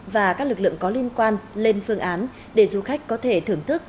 và các lực lượng có liên quan lên phương án để du khách có thể thưởng thức